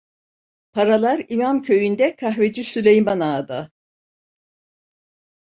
Paralar İmamköyü'nde kahveci Süleyman Ağa'da!